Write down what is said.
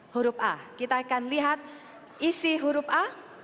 huruf a kita akan lihat isi huruf a